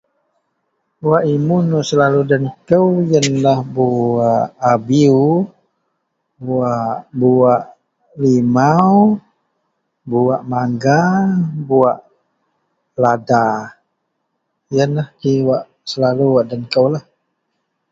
Buwak imun selalu den kou ienlah buwak abieu, buwak, buwak limau, buwak mangga buwak lada. Iyenlah g wak selalu wak den kou lah.